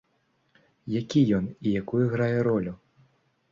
Які ён і якую грае ролю?